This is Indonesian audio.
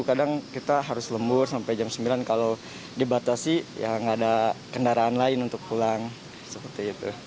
kadang kita harus lembur sampai jam sembilan kalau dibatasi ya nggak ada kendaraan lain untuk pulang seperti itu